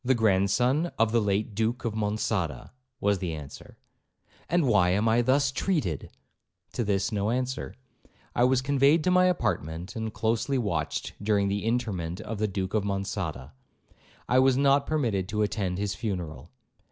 'The grandson of the late Duke of Monçada,' was the answer. 'And why am I thus treated?' To this no answer. I was conveyed to my apartment, and closely watched during the interment of the Duke of Monçada. I was not permitted to attend his funeral.